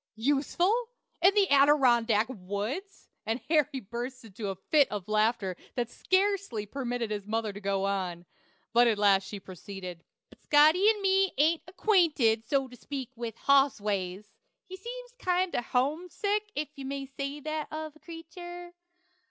"Useful! in the Adirondack woods!" And Harry burst into a fit of laughter that scarcely permitted his mother to go on; but at last she proceeded: "But Scotty and me ain't ackwainted So to speak with Hoss ways; he seems kinder Hum sick if you may say that of a Cretur.